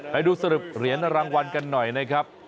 ไปดูสรุปเหรียญรางวัลกันหน่อยนะครับ